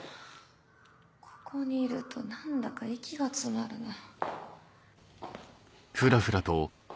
ここにいると何だか息が詰まるの。